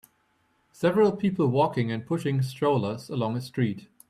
Several people walking and pushing strollers along a street.